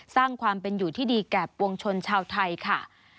สร้างความเป็นอยู่ที่ดีแก่ปวงชนชาวไทยค่ะ